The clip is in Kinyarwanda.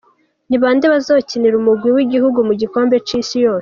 Ni bande bazokinira umugwi w'igihugu mu gikombe c'isi yose? .